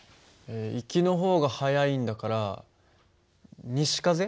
行きの方が速いんだから西風？